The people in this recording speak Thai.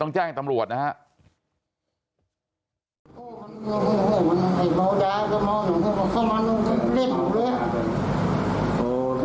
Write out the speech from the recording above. ต้องจ้างกับตำรวจนะฮะ